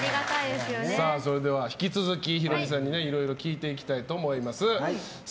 それでは引き続きヒロミさんにいろいろ聞いていこうと思います。